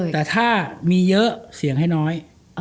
แต่ถ้ามีเยอะเสี่ยงให้น้อย